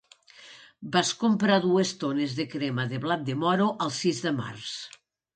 Vas comprar dues tones de crema de blat de moro el sis de març.